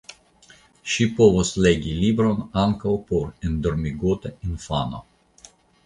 Ŝi povos legi libron ankaŭ por endormigota infano.